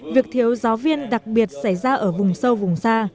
việc thiếu giáo viên đặc biệt xảy ra ở vùng sâu vùng xa